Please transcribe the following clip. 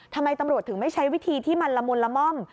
ทำไมตำรวจถึงไม่ใช้วิธีที่มันละมุนละม่อม